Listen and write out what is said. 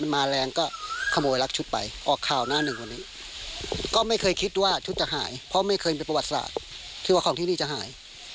ไม่เคยคิดว่าชุดจะหายเพราะไม่เคยมีประวัติศาสตร์ที่ว่าของที่นี่จะหาย